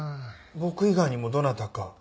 僕以外にもどなたか？